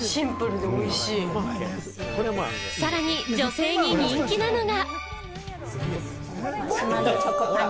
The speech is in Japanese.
さらに女性に人気なのが。